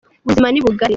ubuzima nibugari